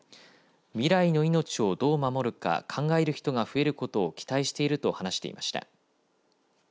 未来の命をどう守るか考える人が増えることを期待していると話していました。